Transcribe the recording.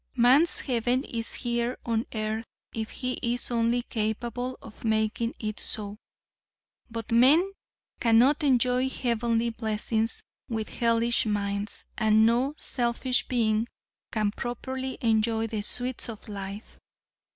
"Man's heaven is here on earth if he is only capable of making it so, but men cannot enjoy heavenly blessings with hellish minds, and no selfish being can properly enjoy the sweets of life.